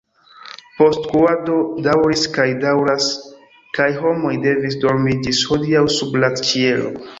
Postskuado daŭris kaj daŭras kaj homoj devis dormi ĝis hodiaŭ sub la ĉielo.